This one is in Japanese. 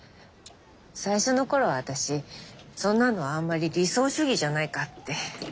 最初のころは私そんなのあんまり理想主義じゃないかって。